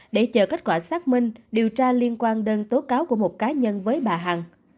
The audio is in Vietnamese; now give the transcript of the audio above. để chờ kết quả xác minh điều tra liên quan đơn tố cáo của một cá nhân với bà hằng